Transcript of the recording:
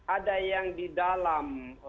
ada yang di dalam